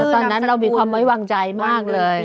ตอนนั้นเรามีความไว้วางใจมากเลย